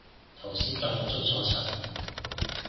頭先搭仲出錯層